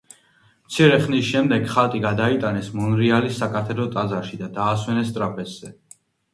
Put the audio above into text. მცირე ხნის შემდეგ ხატი გადაიტანეს მონრეალის საკათედრო ტაძარში და დაასვენეს ტრაპეზზე.